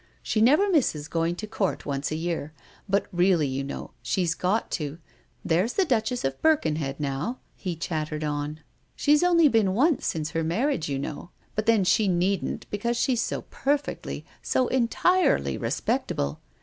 "She never misses going to Court once a year; but really, you know, she's got to ! There's the Duchess of Birken head, now," he chattered on, "she's only been once since her marriage, you know. But then she needn't, because she's so per fectly, so entirely respectable